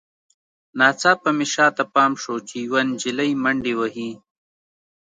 ناڅاپه مې شاته پام شو چې یوه نجلۍ منډې وهي